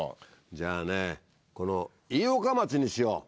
じゃあねこの飯岡町にしよう。